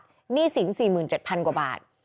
หนี้สิน๔๗๐๐กว่าบาท